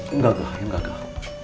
enggak enggak enggak